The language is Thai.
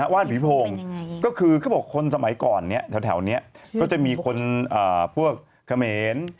ว่านผีโพงก็คือเขาบอกคนสมัยก่อนเนี่ยแถวนี้ก็จะมีคนพวกเขมร